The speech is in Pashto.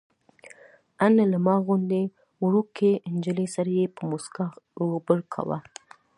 ان له ما غوندې وړوکې نجلۍ سره یې په موسکا روغبړ کاوه.